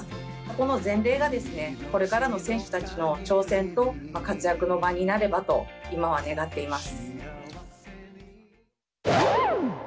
この前例が、これからの選手たちの挑戦と活躍の場になればと、今は願っています。